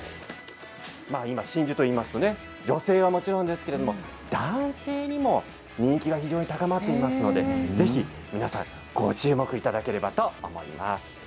今、真珠といいますと女性はもちろんですけれど男性にも人気が非常に高まっていますのでぜひ皆さんご注目いただければと思います。